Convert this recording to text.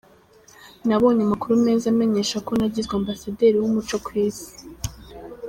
Nabonye amakuru meza amenyesha ko nagizwe Ambasaderi w’umuco ku isi.